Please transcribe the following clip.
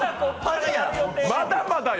まだまだよ。